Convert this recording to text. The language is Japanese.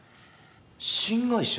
新会社？